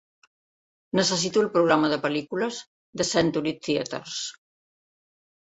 Necessito el programa de pel·lícules de Century Theatres